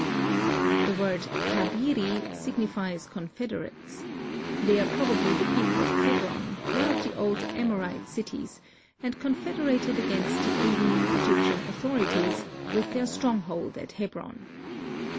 The word Khabiri signifies "confederates." They are probably the people of Hebron, one of the old Amorite cities, and confederated against the alien Egyptian authorities, with their stronghold at Hebron.